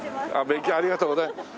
勉強ありがとうございます。